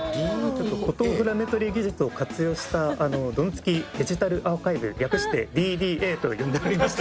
「フォトグラメトリー技術を活用したドンツキデジタルアーカイブ略してＤＤＡと呼んでおりまして」